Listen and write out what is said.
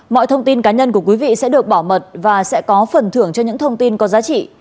mọi thông tin cá nhân của quý vị sẽ được bảo mật và sẽ có phần thưởng cho những thông tin có giá trị